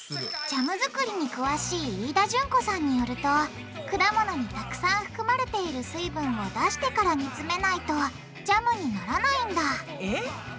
ジャム作りに詳しい飯田順子さんによると果物にたくさん含まれている水分を出してから煮詰めないとジャムにならないんだえっ？